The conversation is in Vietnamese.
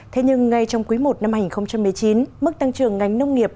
thế nhưng ngay trong quý i năm hai nghìn một mươi chín mức tăng trưởng ngành nông nghiệp